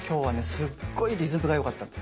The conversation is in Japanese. すっごいリズムがよかったです。